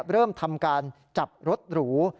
เริ่มทำการจับรถหรู